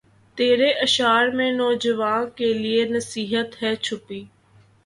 تیرے اشعار میں نوجواں کے لیے نصیحت ھے چھپی